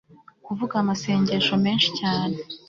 kuvuga amasengesho menshi cyane